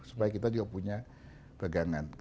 supaya kita juga punya pegangan